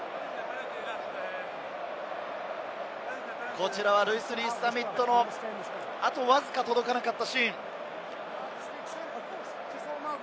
こちらはルイス・リース＝ザミットのあとわずか届かなかったシーン。